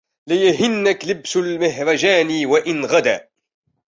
ليهنك لبس المهرجان وإن غدا